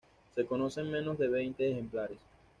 Se conocen menos de veinte ejemplares.